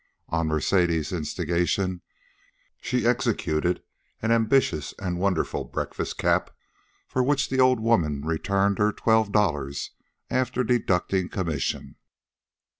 On Mercedes' instigation she executed an ambitious and wonderful breakfast cap for which the old woman returned her twelve dollars after deducting commission.